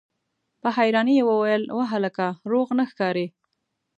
په حيرانۍ يې وويل: وه هلکه! روغ نه ښکارې!